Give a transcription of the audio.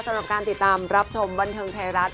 สำหรับการติดตามรับชมบันเทิงไทยรัฐ